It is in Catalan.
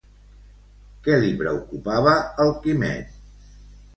Què li preocupava el Quimet?